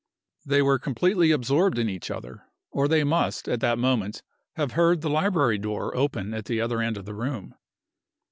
They were completely absorbed in each other, or they must, at that moment, have heard the library door open at the other end of the room.